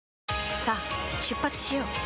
さあ出発しよう。